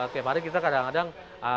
tiap hari kita kadang kadang